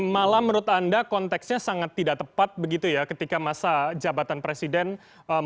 malah menurut anda konteksnya sangat tidak tepat begitu ya ketika masa jabatan presiden mungkin aktif hanya kurang dua tahun ini